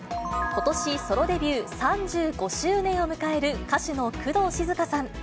ことし、ソロデビュー３５周年を迎える歌手の工藤静香さん。